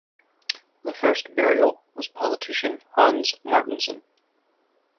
The first burial was politician Hans Martinson.